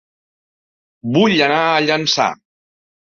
Vull anar a Llançà